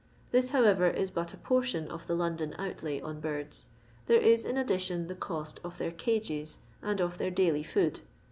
This, how arer, is but a portion of toe London outlay on birds. There is, in addition, the cost of their cages and ot their daily food.